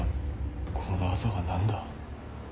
このアザは何だ？